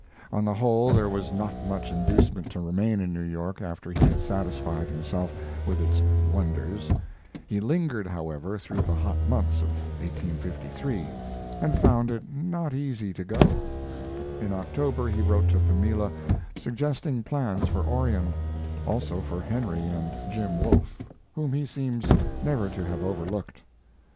On the whole, there was not much inducement to remain in New York after he had satisfied himself with its wonders. He lingered, however, through the hot months of 1853, and found it not easy to go. In October he wrote to Pamela, suggesting plans for Orion; also for Henry and Jim Wolfe, whom he seems never to have overlooked.